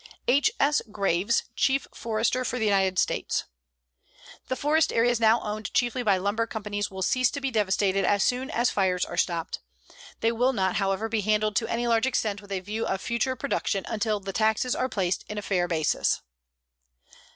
H. S. GRAVES, Chief Forester for the United States: The forest areas now owned chiefly by lumber companies will cease to be devastated as soon as fires are stopped. They will not, however, be handled to any large extent with a view of future production until the taxes are placed on a fair basis.